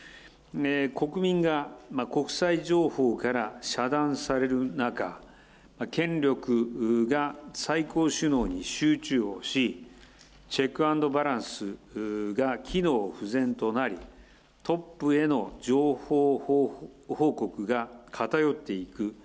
国民が国際情報から遮断される中、権力が最高首脳に集中をし、チェック＆バランスが機能不全となり、トップへの情報報告が偏っていく。